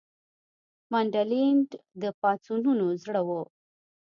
منډلینډ د پاڅونونو زړه وو.